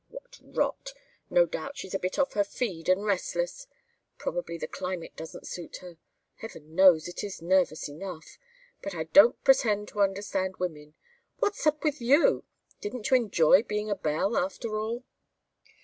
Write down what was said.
"What rot. No doubt she's a bit off her feed and restless. Probably the climate doesn't suit her. Heaven knows it is nervous enough. But I don't pretend to understand women. What's up with you? Didn't you enjoy being a belle, after all?"